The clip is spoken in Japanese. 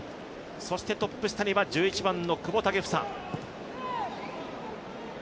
そしてトップ下には１１番の久保建英。